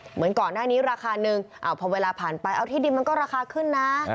เหมือนก่อนหน้านี้ราคานึงพอเวลาผ่านไปเอาที่ดินมันก็ราคาขึ้นนะ